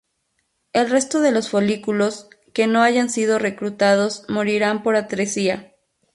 El resto de los folículos que no hayan sido reclutados morirán por atresia.